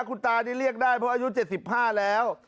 คุณตานี่เรียกได้เพราะอายุ๗๕แล้ว